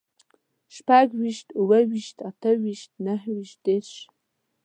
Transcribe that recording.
شپږويشت، اووه ويشت، اته ويشت، نهه ويشت، دېرش